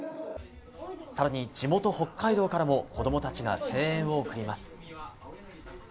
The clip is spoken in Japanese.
更に、地元・北海道からも子供たちが声援を送ります。